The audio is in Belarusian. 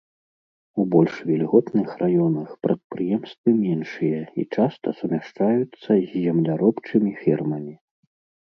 У больш вільготных раёнах прадпрыемствы меншыя і часта сумяшчаюцца з земляробчымі фермамі.